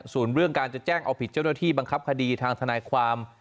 ส่วนเรื่องการจะแจ้งเอาผิดเจ้าหน้าที่บังคับคดีทางทนายความ